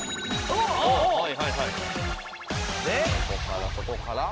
そこからそこから？